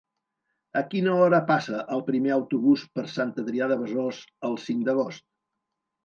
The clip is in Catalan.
A quina hora passa el primer autobús per Sant Adrià de Besòs el cinc d'agost?